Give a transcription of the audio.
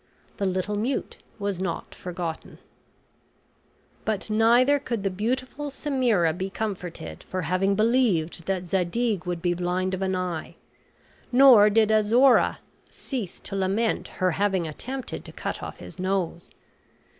The little mute was not forgotten. But neither could the beautiful Semira be comforted for having believed that Zadig would be blind of an eye; nor did Azora cease to lament her having attempted to cut off his nose.